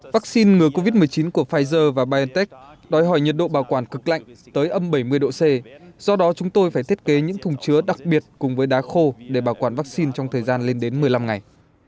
vaccine ngừa covid một mươi chín của pfizer và biontech đòi hỏi nhiệt độ bảo quản cực lạnh tới âm bảy mươi độ c do đó chúng tôi phải thiết kế những thùng chứa đặc biệt cùng với đá khô để bảo quản vaccine trong thời gian lên đến một mươi năm ngày